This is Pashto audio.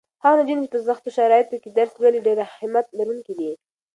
هغه نجونې چې په سختو شرایطو کې درس لولي ډېرې همت لرونکې دي.